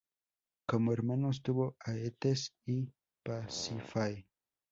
Como hermanos tuvo a Eetes y Pasífae.